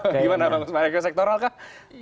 gimana pak ego sektoral kak